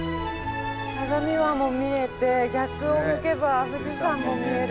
相模湾も見れて逆を向けば富士山も見える。